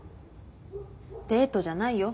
デートじゃないよ。